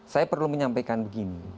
saya perlu menyampaikan begini